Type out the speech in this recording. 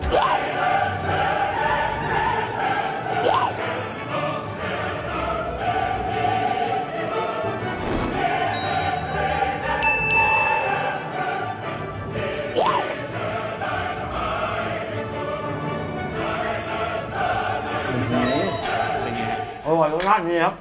อร่อยรสชาติดีครับ